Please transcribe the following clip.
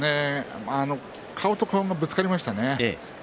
顔と顔がぶつかりましたね。